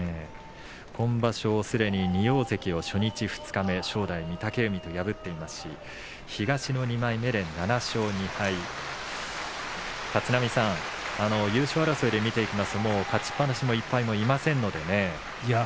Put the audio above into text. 今場所すでに２大関を初日、二日目正代、御嶽海と破っていますし東の２枚目で７勝２敗、立浪さん優勝争いで見ていきますと勝ちっぱなしも１敗もいませんのでね。